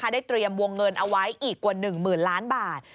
ได้เตรียมวงเงินเอาไว้อีกกว่า๑๐๐๐ล้านบาท